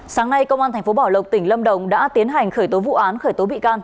sáng nay công an tp bảo lộc tỉnh lâm đồng đã tiến hành khởi tố vụ án khởi tố bị can